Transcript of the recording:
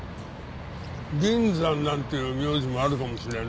銀山なんていう名字もあるかもしれんな。